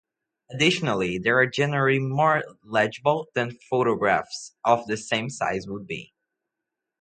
Additionally, they are generally more legible than photographs of the same size would be.